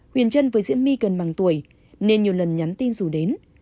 huyền trân với diễm my gần bằng tuổi nên nhiều lần nhắn tin rủ đến